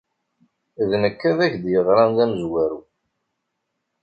D nekk ay ak-d-yeɣran d amezwaru.